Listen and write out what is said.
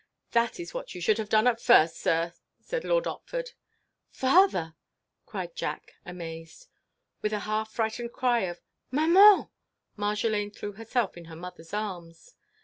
"That is what you should have done at first, sir!" said Lord Otford. "Father!" cried Jack, amazed. With a half frightened cry of "Maman!" Marjolaine threw herself in her mother's arms.